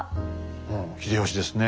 うん秀吉ですね。